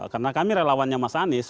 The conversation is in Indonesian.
karena kami relawannya mas anies